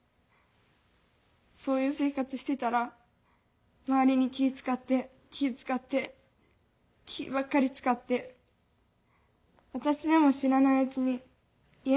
そういう生活してたら周りに気ぃ遣って気ぃ遣って気ばっかり遣って私でも知らないうちに言いたいこと言えんなったんよね。